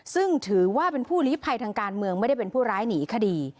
ซึ่งถือว่าเป็นผู้ลิภัยทางการเมืองไม่ได้เป็นผู้ร้ายหนีคดี